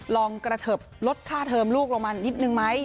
ลองกระเทิบลดค่าเทอมลูกลงมานิดนึงไหม